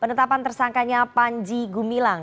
penetapan tersangkanya panjegu milang